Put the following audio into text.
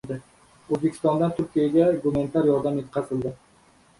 O‘zbekistondan Turkiyaga gumanitar yordam yetkazildi